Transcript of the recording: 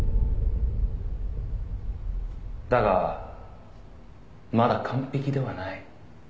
「だがまだ完璧ではない」